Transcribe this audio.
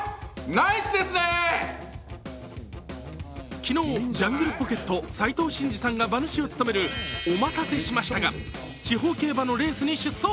昨日、ジャングルポケット斉藤慎二さんが馬主を務めるオマタセシマシタが地方競馬のレースに出走。